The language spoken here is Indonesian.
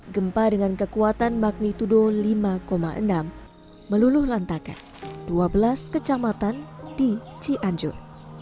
gempa dengan kekuatan magnitudo lima enam meluluh lantakan dua belas kecamatan di cianjur